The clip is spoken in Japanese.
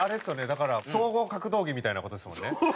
だから総合格闘技みたいな事ですもんね。